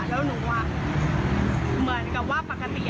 แล้วหนูเหมือนกับว่าปกติ